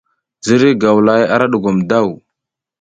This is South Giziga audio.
Ziriy gawlahay ara ɗugom daw.